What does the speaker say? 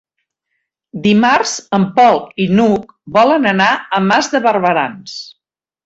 Dimarts en Pol i n'Hug volen anar a Mas de Barberans.